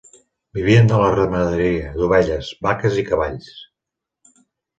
Vivien de la ramaderia d'ovelles, vaques i cavalls.